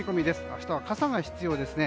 明日は傘が必要ですね。